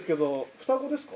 双子ですか？